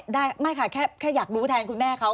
ได้แค่อยากดูแทนคุณแม่เขา